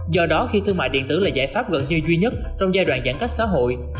do đó khi thương mại điện tử là giải pháp gần như duy nhất trong giai đoạn giãn cách xã hội